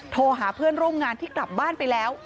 โทรหาเพื่อนร่วมงานที่กลับบ้านไปแล้ว